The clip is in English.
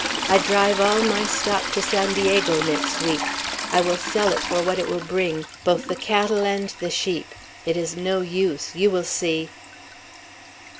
I drive all my stock to San Diego next week. I will sell it for what it will bring, both the cattle and the sheep. It is no use. You will see."